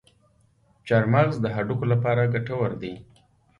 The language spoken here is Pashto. چارمغز د هډوکو لپاره ګټور دی.